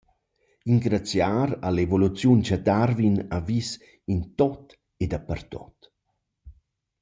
Ingrazchar a l’evoluziun cha Darwin ha vis in tuot e dapertuot?